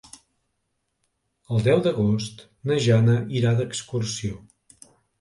El deu d'agost na Jana irà d'excursió.